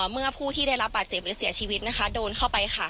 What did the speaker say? เมื่อผู้ที่ได้รับบาดเจ็บหรือเสียชีวิตนะคะโดนเข้าไปค่ะ